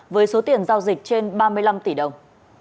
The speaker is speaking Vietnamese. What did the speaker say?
với số tiền giao dịch trên ba mươi năm tỷ đồng